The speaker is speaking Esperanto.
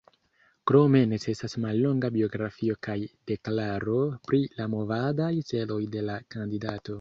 Krome necesas mallonga biografio kaj deklaro pri la movadaj celoj de la kandidato.